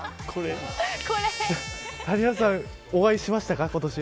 谷原さん、お会いしましたか今年は。